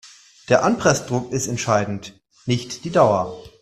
Der Anpressdruck ist entscheidend, nicht die Dauer.